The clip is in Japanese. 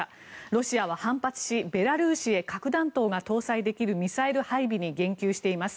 ロシアは反発し、ベラルーシへ核弾頭が搭載できるミサイル配備に言及しています。